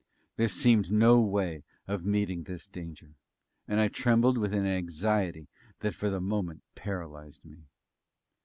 There seemed no way of meeting this danger, and I trembled with an anxiety that for the moment paralyzed me.